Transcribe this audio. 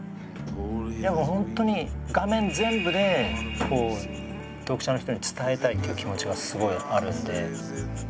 ほんとに画面全部でこう読者の人に伝えたいっていう気持ちがすごいあるんで。